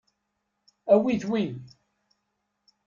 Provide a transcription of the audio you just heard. Awit wi.